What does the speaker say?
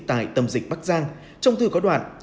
tại tâm dịch bắc giang trong thư có đoạn